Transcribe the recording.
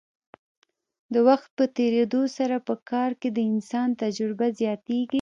د وخت په تیریدو سره په کار کې د انسان تجربه زیاتیږي.